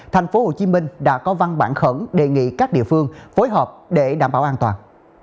tp hcm đã có văn bản khẩn đề nghị các địa phương phối hợp để đảm bảo an toàn